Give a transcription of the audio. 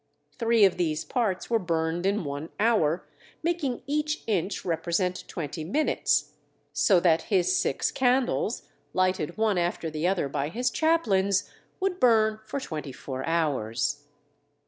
Three of these parts were burned in one hour, making each inch represent twenty minutes, so that his six candles, lighted one after the other by his chaplains, would burn for twenty four hours.